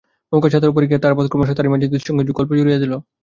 নৌকার ছাতের উপরে গিয়া তারাপদ ক্রমশ দাঁড়িমাঝিদের সঙ্গে গল্প জুড়িয়া দিল।